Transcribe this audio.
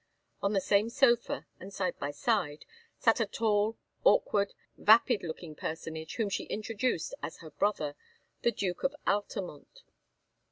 On the same sofa, and side by side, sat a tall, awkward, vapid looking personage, whom she introduced as her brother, the Duke of Altamont.